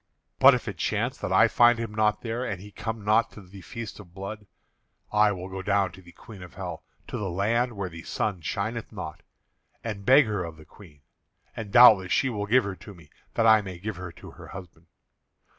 But if it chance that I find him not there, and he come not to the feast of blood, I will go down to the Queen of Hell, to the land where the sun shineth not, and beg her of the Queen; and doubtless she will give her to me, that I may give her to her husband.